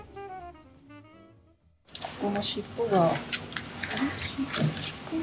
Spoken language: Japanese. ここの尻尾が。